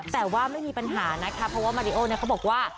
แต่ว่าไม่มีปัญหานะคะเพราะว่ามาริโอเนี่ยเขาบอกว่า